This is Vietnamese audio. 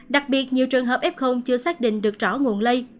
đặc biệt nhiều trường hợp f chưa xác định được rõ nguồn lây